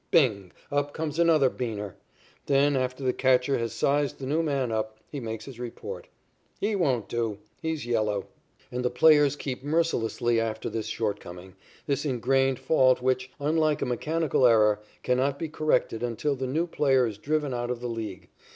Bing! Up comes another "beaner." Then, after the catcher has sized the new man up, he makes his report. "He won't do. He's yellow." And the players keep mercilessly after this shortcoming, this ingrained fault which, unlike a mechanical error, cannot be corrected until the new player is driven out of the League.